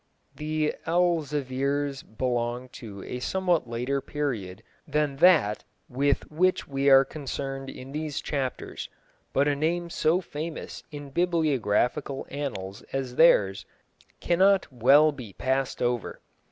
The Elzevirs belong to a somewhat later period than that with which we are concerned in these chapters, but a name so famous in bibliographical annals as theirs cannot well be passed over.